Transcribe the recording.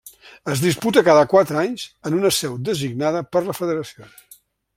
Es disputa cada quatre anys en una seu designada per la federació.